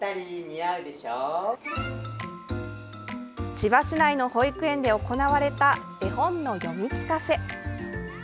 千葉市内の保育園で行われた絵本の読み聞かせ。